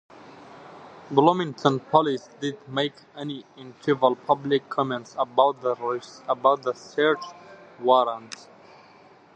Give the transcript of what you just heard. Bloomington police did make any initial public comments about the search warrant.